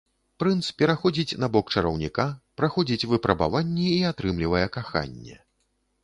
Прынц пераходзіць на бок чараўніка, праходзіць выпрабаванні і атрымлівае каханне.